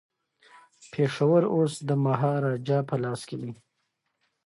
پېښور اوس د مهاراجا په لاس کي دی.